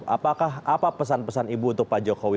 apakah apa pesan pesan ibu untuk pak jokowi